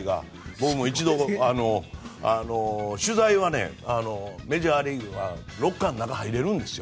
僕も一度、取材はねメジャーリーグはロッカーの中は入れるんですよ。